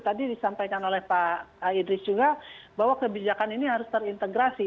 tadi disampaikan oleh pak idris juga bahwa kebijakan ini harus terintegrasi